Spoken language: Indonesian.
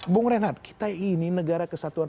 bung renat kita ini negara kesatuan